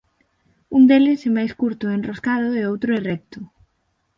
Un deles é máis curto e enroscado e o outro é recto.